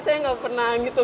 saya gak pernah gitu